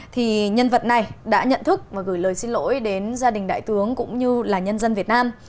thì nhân vật này đã nhận thức và gửi lời xin lỗi đến gia đình đại tướng cũng như là nhân dân việt nam